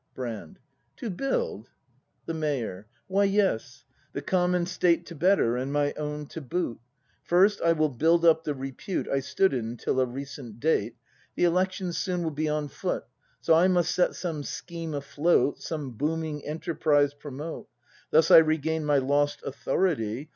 Brand. To build ? The Mayor. Why, yes, — the common state To better, and my own to boot. First I will build up the repute I stood in till a recent date: — The elections soon will be on foot: — So I must set some scheme afloat. Some booming enterprise promote; Thus I regain my lost authority.